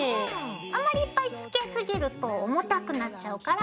あまりいっぱいつけすぎると重たくなっちゃうから。